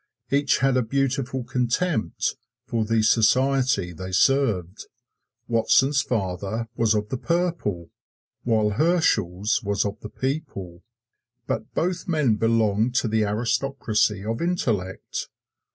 Each had a beautiful contempt for the society they served. Watson's father was of the purple, while Herschel's was of the people, but both men belonged to the aristocracy of intellect.